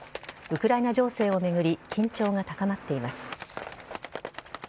ウクライナ情勢を巡り、緊張が高まっています。